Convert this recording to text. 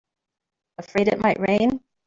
Afraid it might rain?